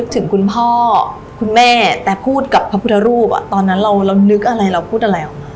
ถึงแม้ท่านจะแบบว่าพูดกับเอาไม่ได้